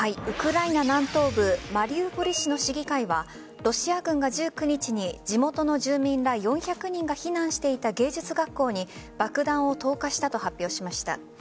ウクライナ南東部マリウポリ市の市議会はロシア軍が１９日に地元の住民ら４００人が避難していた芸術学校に爆弾を投下したと発表しました。